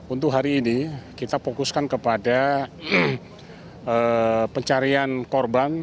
untuk hari ini kita fokuskan kepada pencarian korban